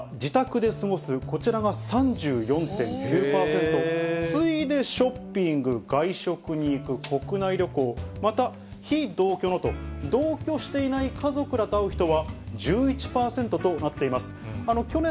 まず最も多かったのが自宅で過ごす、こちらが３４．９％、次いでショッピング、外食に行く、国内旅行、また、非同居だと、同居していない家族と会うという人も１１％となっています。